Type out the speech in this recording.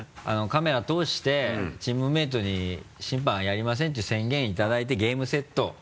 カメラ通してチームメートに審判はやりませんって宣言いただいてゲームセット。